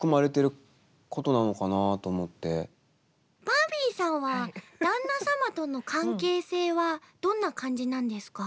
バービーさんは旦那様との関係性はどんな感じなんですか？